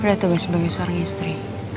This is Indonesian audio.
ada tugas sebagai seorang istri